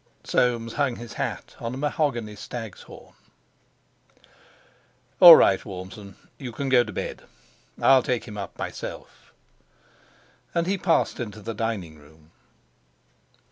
Soames hung his hat on a mahogany stag's horn. "All right, Warmson, you can go to bed; I'll take him up myself." And he passed into the dining room.